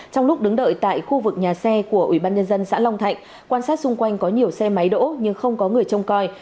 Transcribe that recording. trong lúc đứng đợi tại khu vực nhà xe của ủy ban nhân dân xã long thạnh quan sát xung quanh có nhiều xe máy đỗ nhưng không có người trông coi